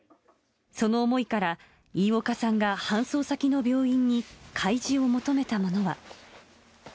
その思いから、飯岡さんが搬送先の病院に開示を求めたものは。